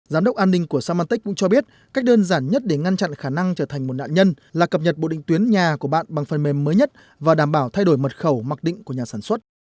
giám đốc an ninh của symantec cũng cho biết cách đơn giản nhất để ngăn chặn khả năng trở thành một nạn nhân là cập nhật bộ định tuyến nhà của bạn bằng phần mềm mới nhất và đảm bảo thay đổi mật khẩu mặc định của nhà sản xuất